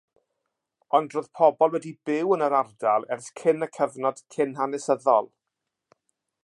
Ond roedd pobl wedi byw yn yr ardal ers y cyfnod cyn-hanesyddol.